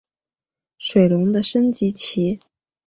水龙的升级棋。